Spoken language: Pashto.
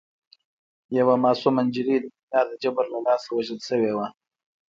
یوه معصومه نجلۍ د دنیا د جبر له لاسه وژل شوې وه